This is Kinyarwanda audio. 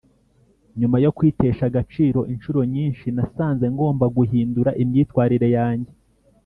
Nyuma yo kwitesha agaciro inshuro nyinshi nasanze ngomba guhindura imyitwarire yanjye